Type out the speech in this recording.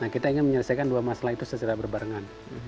kita ingin menyelesaikan dua masalah itu secara berbarengan